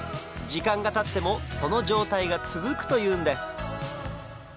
時間がたってもその状態が続くというんです